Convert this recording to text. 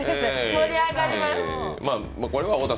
盛り上がりました。